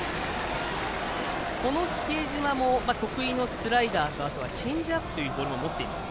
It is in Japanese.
この比江島も得意のスライダーとあとはチェンジアップというボールを持っています。